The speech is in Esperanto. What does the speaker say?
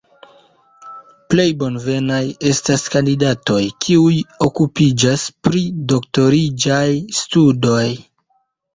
Plej bonvenaj estas kandidatoj, kiuj okupiĝas pri doktoriĝaj studoj.